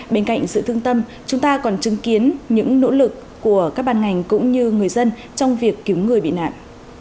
bên cạnh sự thương tâm chúng ta còn chứng kiến những nỗ lực của các ban ngành cũng như người dân trong việc cứu người bị nạn